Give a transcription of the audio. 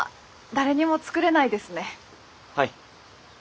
はい。